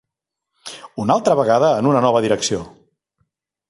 Una altra vegada en una nova direcció!